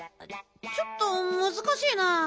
ちょっとむずかしいな。